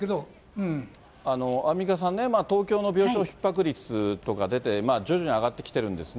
アンミカさんね、東京の病床ひっ迫率とか出て、徐々に上がってきてるんですね。